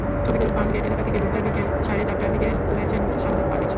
ছবিগুলো ফার্মগেট এলাকা থেকে বুধবার বিকেল সাড়ে চারটার দিকে তুলেছেন সাহাদাত পারভেজ।